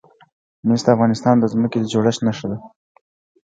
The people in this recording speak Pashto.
مس د افغانستان د ځمکې د جوړښت نښه ده.